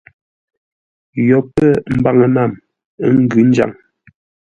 Yo pə̂ mbaŋə-nam, ə́ ngʉ̌ njaŋ.